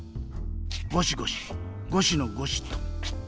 ゴシゴシゴシのゴシっと。